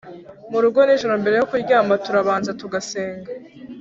Murugo ninjoro mbere yo kuryama turabanza tugasenga